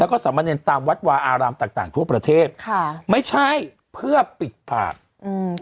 แล้วก็สามเณรตามวัดวาอารามต่างต่างทั่วประเทศค่ะไม่ใช่เพื่อปิดผากอืม